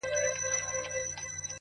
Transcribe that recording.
مثبت فکرونه روښانه پرېکړې زېږوي